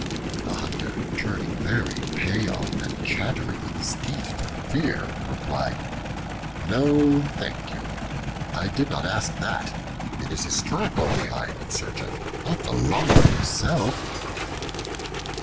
The Hunter, turning very pale and chattering with his teeth from fear, replied, "No, thank you. I did not ask that; it is his track only I am in search of, not the Lion himself."